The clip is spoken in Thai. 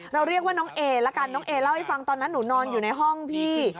เราเรียกว่าน้องเอละกันน้องเอเล่าให้ฟังตอนนั้นหนูนอนอยู่ในห้องพี่